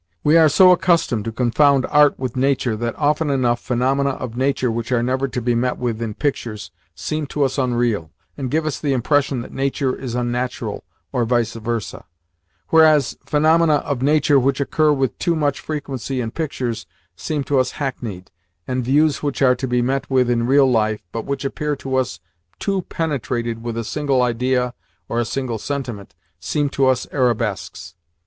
We are so accustomed to confound art with nature that, often enough, phenomena of nature which are never to be met with in pictures seem to us unreal, and give us the impression that nature is unnatural, or vice versa; whereas phenomena of nature which occur with too much frequency in pictures seem to us hackneyed, and views which are to be met with in real life, but which appear to us too penetrated with a single idea or a single sentiment, seem to us arabesques.